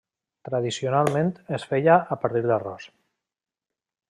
Tradicionalment es feia a partir d'arròs.